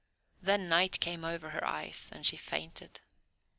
Then night came over her eyes and she fainted.